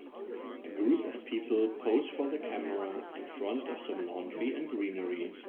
A group of people pose for the camera in front of some laundry and greenery.